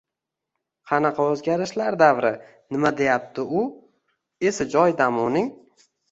“Qanaqa o‘zgarishlar davri, nima deyapti u, esi joyidami uning?”